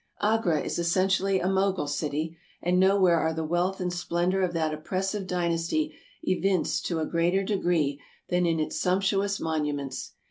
Agra is essentially a Mogul city, and nowhere are the wealth and splendor of that oppressive dynasty evinced to a greater degree than in its sumptuous monuments.